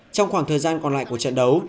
trong khoảng thời gian còn lại của trận đấu